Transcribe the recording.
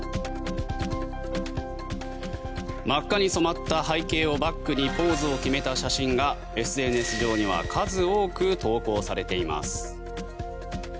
真っ赤に染まった背景をバックにポーズを決めた写真がＳＮＳ上には数多く投稿されています。